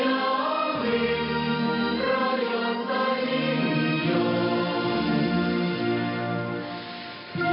สุขมากที่แห่งคุณพระศรีรัตติ